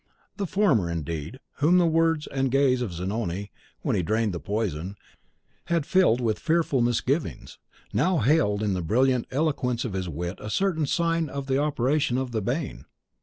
The former, indeed, whom the words and gaze of Zanoni, when he drained the poison, had filled with fearful misgivings, now hailed in the brilliant eloquence of his wit a certain sign of the operation of the bane.